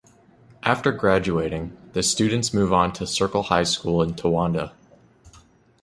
After graduating, the students move onto Circle High School in Towanda.